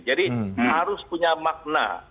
jadi harus punya makna